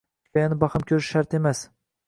Hikoyani baham ko'rish shart emas